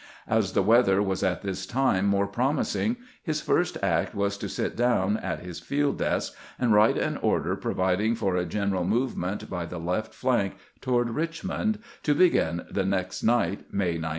As the weather was at this time more promising, his first act was to sit down at his field desk and write an order providing for a general movement by the left flank toward Eichmond, to begin the next night, May 19.